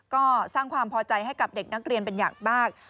ก็สร้างความพอใจให้กับเด็กนักเรียนเป็นอย่างมาก